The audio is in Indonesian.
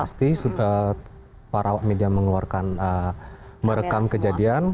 pasti sudah para awak media mengeluarkan merekam kejadian